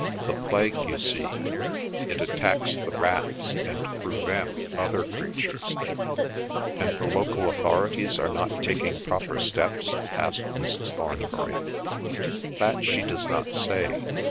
The plague—you see. It attacks the rats, and through them other creatures." "And the local authorities are not taking proper steps?" asked Mrs. Thornbury. "That she does not say.